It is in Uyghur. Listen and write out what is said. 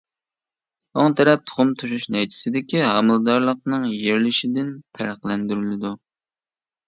ئوڭ تەرەپ تۇخۇم توشۇش نەيچىسىدىكى ھامىلىدارلىقنىڭ يېرىلىشىدىن پەرقلەندۈرۈلىدۇ.